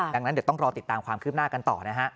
ดังนั้นเดี๋ยวต้องรอติดตามความคืบหน้ากันต่อนะฮะ